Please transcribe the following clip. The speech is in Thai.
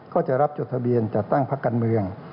ก็จะรับจดทะเบียนจัดตั้งพักการเมือง